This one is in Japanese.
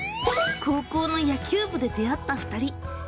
高校の野球部で出会った２人。